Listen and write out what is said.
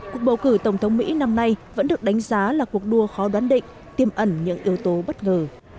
cuộc bầu cử tổng thống mỹ năm nay vẫn được đánh giá là cuộc đua khó đoán định tiêm ẩn những yếu tố bất ngờ